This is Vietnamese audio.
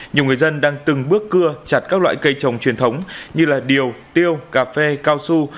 nhiều người dân đang từng bước cưa chặt các loại cây trồng truyền thống như điều tiêu cà phê cao su